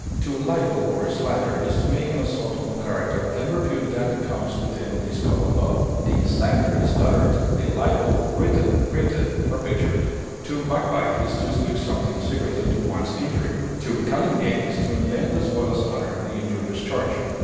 To libel or slander is to make an assault upon character and repute that comes within the scope of law; the slander is uttered, the libel written, printed, or pictured. To backbite is to speak something secretly to one's injury; to calumniate is to invent as well as utter the injurious charge.